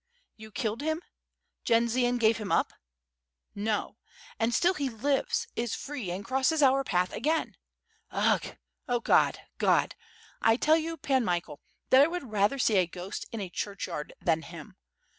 "You killed him, Jendzian gave him up? No! And still he lives, is free, and crosses our path again. Ugh! Oh God! God! I tell you. Pan Michael, that I would rather see a ghost in a churchyard than him.